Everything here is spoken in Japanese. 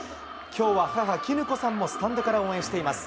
きょうは母、衣子さんもスタンドから応援しています。